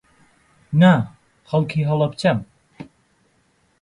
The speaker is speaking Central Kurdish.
نا، خەڵکی هەڵەبجەم.